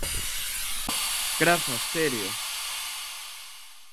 Grazas Terio.